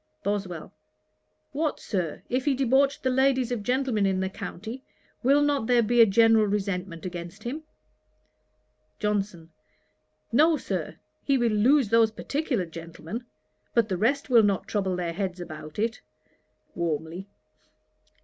BOSWELL. 'What, Sir, if he debauched the ladies of gentlemen in the county, will not there be a general resentment against him?' JOHNSON. 'No, Sir. He will lose those particular gentlemen; but the rest will not trouble their heads about it.' (warmly.)